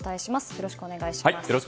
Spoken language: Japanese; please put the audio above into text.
よろしくお願いします。